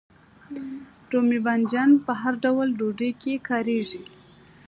رومي بانجان په هر ډول ډوډۍ کې کاریږي.